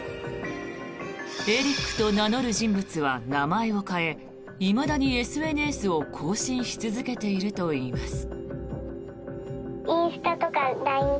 エリックと名乗る人物は名前を変えいまだにＳＮＳを更新し続けているといいます。